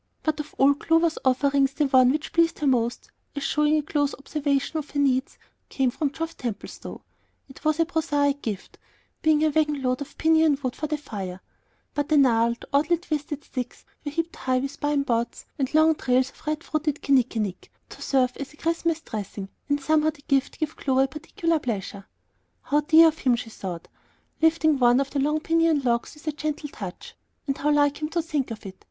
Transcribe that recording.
But of all Clover's offerings the one which pleased her most, as showing a close observation of her needs, came from Geoff Templestowe. It was a prosaic gift, being a wagon load of piñon wood for the fire; but the gnarled, oddly twisted sticks were heaped high with pine boughs and long trails of red fruited kinnikinnick to serve as a Christmas dressing, and somehow the gift gave Clover a peculiar pleasure. "How dear of him!" she thought, lifting one of the big piñon logs with a gentle touch; "and how like him to think of it!